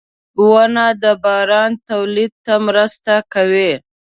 • ونه د باران تولید ته مرسته کوي.